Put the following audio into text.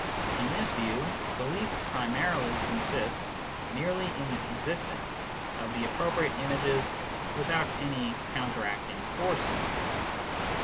In this view, belief primarily consists merely in the existence of the appropriate images without any counteracting forces.